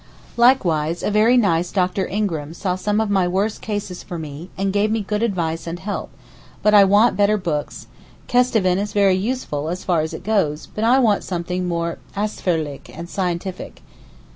Likewise a very nice Dr. Ingram saw some of my worst cases for me, and gave me good advice and help; but I want better books—Kesteven is very useful, as far as it goes, but I want something more ausführlich and scientific.